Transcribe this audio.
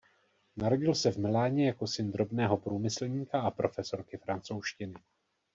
Narodil se v Miláně jako syn drobného průmyslníka a profesorky francouzštiny.